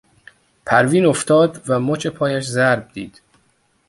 پروین افتاد و مچ پایش ضرب دید.